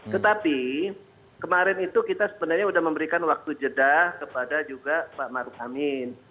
tetapi kemarin itu kita sebenarnya sudah memberikan waktu jeda kepada juga pak maruf amin